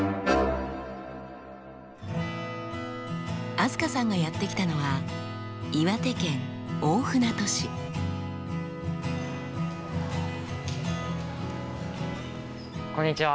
飛鳥さんがやって来たのはこんにちは。